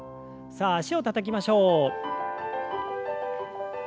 さあ脚をたたきましょう。